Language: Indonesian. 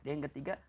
dan yang ketiga